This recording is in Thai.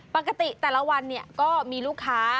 ปกติแต่ละวันก็มีลูกค้า